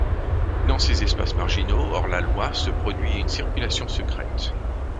Dans ces espaces marginaux, hors-la-loi, se produit une circulation secrète.